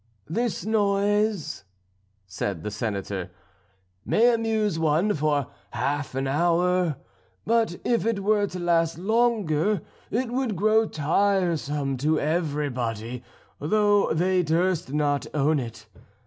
"This noise," said the Senator, "may amuse one for half an hour; but if it were to last longer it would grow tiresome to everybody, though they durst not own it.